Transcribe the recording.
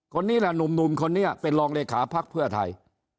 คนนี้แหละหนุ่มคนนี้เป็นรองเลขาภักดิ์เพื่อไทย